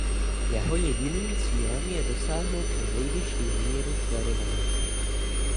Jeho jediným cílem je dosáhnout co nejvyšší míry sledovanosti.